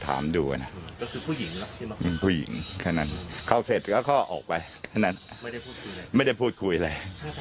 ทางเขาไปบ้างเขาตกใจ